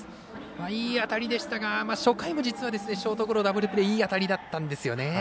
いい当たりでしたが初回も実はダブルプレーいい当たりだったんですよね。